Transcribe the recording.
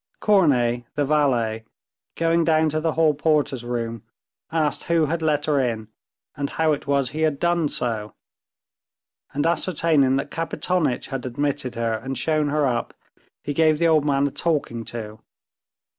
Korney, the valet, going down to the hall porter's room, asked who had let her in, and how it was he had done so, and ascertaining that Kapitonitch had admitted her and shown her up, he gave the old man a talking to.